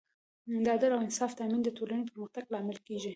د عدل او انصاف تامین د ټولنې پرمختګ لامل کېږي.